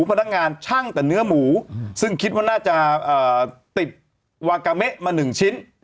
พนักงานช่างแต่เนื้อหมูซึ่งคิดว่าน่าจะติดวากาเมะมา๑ชิ้น